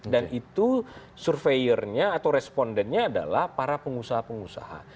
dan itu surveiurnya atau respondennya adalah para pengusaha pengusaha